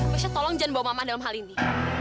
maksudnya tolong jangan bawa mama dalam hal ini